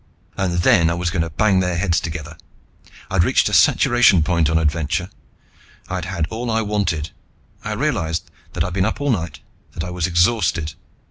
And then I was going to bang their heads together. I'd reached a saturation point on adventure. I'd had all I wanted. I realized that I'd been up all night, that I was exhausted.